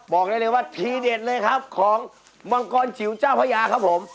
บอกได้เลยว่าทีเด็ดเลยครับของมังกรจิ๋วเจ้าพระยาครับผม